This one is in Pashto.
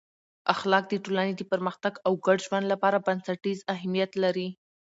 اخلاق د ټولنې د پرمختګ او ګډ ژوند لپاره بنسټیز اهمیت لري.